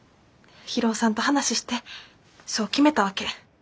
博夫さんと話してそう決めたわけ。